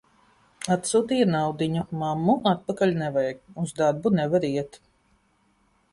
Atsūtīja naudiņu: "Mammu, atpakaļ nevajag." Uz darbu nevar iet.